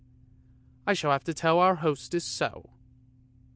I shall have to tell our hostess so!